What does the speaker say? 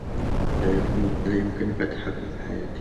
لا يمكنك التحكم في حياتي.